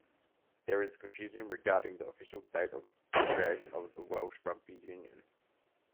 There is confusion regarding the official date of creation of the Welsh Rugby Union.